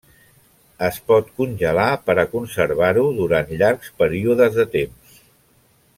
Es pot congelar per a conservar-ho durant llargs períodes de temps.